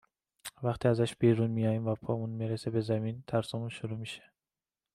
وقتی ازش بیرون میایم و پامون میرسه به زمین، ترسامون شروع میشه